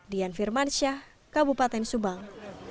dian firmansyah kabupaten subang